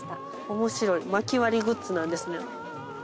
おもしろい薪割りグッズなんですね。